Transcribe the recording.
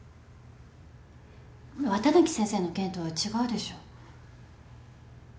綿貫先生の件とは違うでしょ。